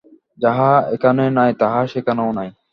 যাহা এখানে নাই, তাহা সেখানেও নাই।